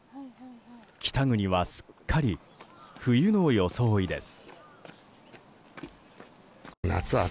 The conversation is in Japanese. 北国は、すっかり冬の装いです。